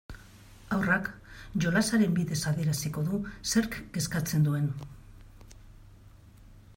Haurrak jolasaren bidez adieraziko du zerk kezkatzen duen.